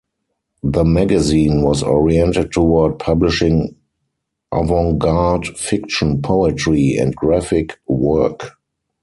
The magazine was oriented toward publishing avant garde fiction, poetry, and graphic work.